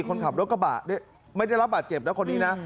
คนขับรถกระบะไม่ได้รับบาดเจ็บนะคนนี้นะ